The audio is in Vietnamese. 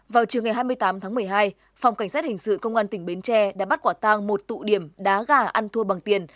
vào chiều ngày hai mươi tám tháng một mươi hai phòng cảnh sát hình sự công an tỉnh bến tre đã bắt quả tang một tụ điểm đá gà ăn thua bằng tiền